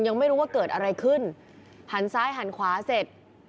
ยังไม่รู้ว่าเกิดอะไรขึ้นหันซ้ายหันขวาเสร็จ